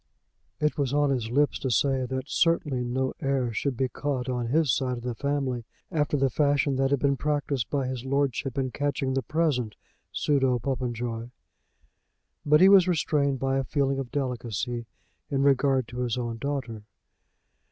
It was on his lips to say that certainly no heir should be caught on his side of the family after the fashion that had been practised by his lordship in catching the present pseudo Popenjoy; but he was restrained by a feeling of delicacy in regard to his own daughter.